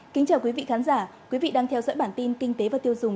kính chào quý vị khán giả quý vị đang theo dõi bản tin kinh tế và tiêu dùng